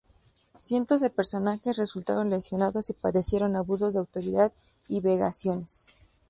Cientos de personas resultaron lesionadas y padecieron abusos de autoridad y vejaciones.